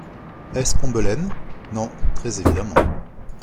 Est-ce Combelaine ?… Non, très évidemment.